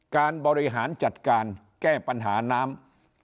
การบริหารจัดการแก้ปัญหาน้ำ